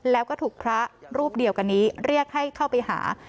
แล้วก็ถูกพระรูปเดียวกันนี้เรียกให้เข้าไปหา